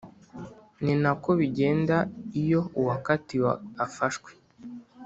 Ni nako bigenda iyo uwakatiwe afashwe